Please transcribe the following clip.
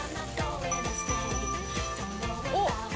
おっ！